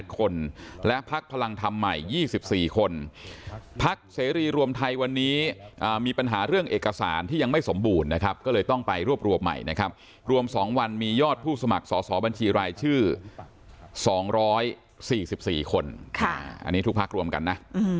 คนและพักพลังธรรมใหม่๒๔คนพักเสรีรวมไทยวันนี้มีปัญหาเรื่องเอกสารที่ยังไม่สมบูรณ์นะครับก็เลยต้องไปรวบรวมใหม่นะครับรวม๒วันมียอดผู้สมัครสอบบัญชีรายชื่อ๒๔๔คนอันนี้ทุกพักรวมกันนะ